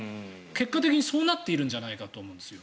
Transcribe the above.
結果的にそうなっているんじゃないかと思うんです。